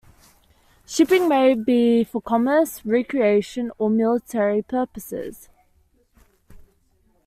Shipping may be for commerce, recreation, or for military purposes.